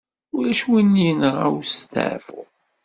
Ulac win yenɣa ustaɛfu.